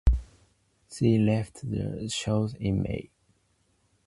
She left the show in May.